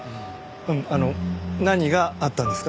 うんあの何があったんですか？